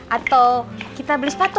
atau kita beli sepatu